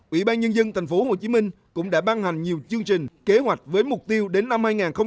ủy ban nhân dân tp hcm cũng đã ban hành nhiều chương trình kế hoạch với mục tiêu đến năm hai nghìn hai mươi